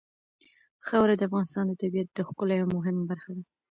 خاوره د افغانستان د طبیعت د ښکلا یوه مهمه برخه ده.